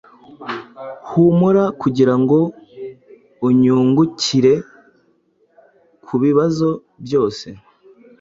Humura kugirango unyungukire kubibazo byose